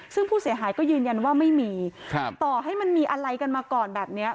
ซึ่งผู้เสียหายก็ยืนยันว่าไม่มีต่อให้มันมีอะไรกันมาก่อนแบบนี้